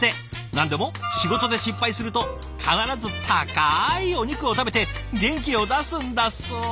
何でも仕事で失敗すると必ず高いお肉を食べて元気を出すんだそう。